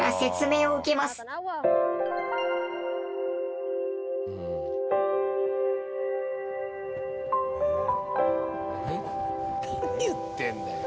何言ってんだよ。